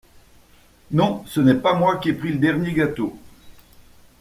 Non, ce n'est pas moi qui ai pris le dernier gâteau!